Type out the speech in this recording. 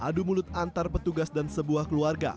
adu mulut antar petugas dan sebuah keluarga